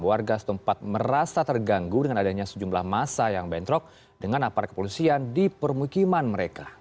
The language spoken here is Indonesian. warga setempat merasa terganggu dengan adanya sejumlah masa yang bentrok dengan aparat kepolisian di permukiman mereka